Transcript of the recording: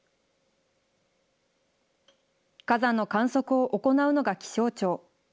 火山の観測を行うのが気象庁。